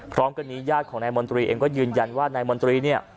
พร้อมกันนี้ญาติของนายมนตรีเองก็ยืนยันว่านายมนตรีเนี่ย